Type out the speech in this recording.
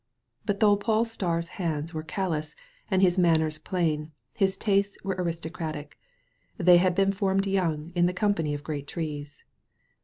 But though Pol Staar's hands were callous and his manners plain, his tastes were aristocratic. They had been formed young in the company of great trees.